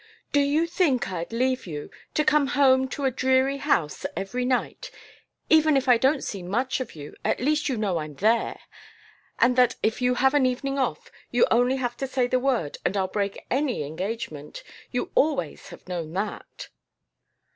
"Do you think I'd leave you to come home to a dreary house every night? Even if I don't see much of you, at least you know I'm there; and that if you have an evening off you have only to say the word and I'll break any engagement you have always known that!"